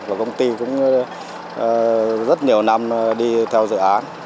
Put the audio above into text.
và công ty cũng rất nhiều năm đi theo dự án